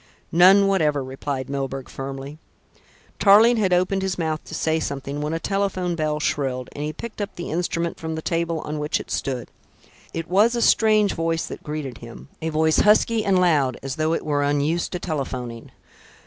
"None whatever," replied Milburgh firmly. Tarling had opened his mouth to say something, when a telephone bell shrilled, and he picked up the instrument from the table on which it stood. It was a strange voice that greeted him, a voice husky and loud, as though it were unused to telephoning.